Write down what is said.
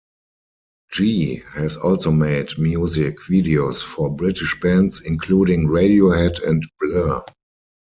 Gee has also made music videos for British bands including Radiohead and Blur.